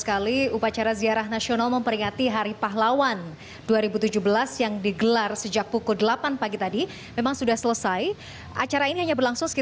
apa yang akan terjadi pada saat ini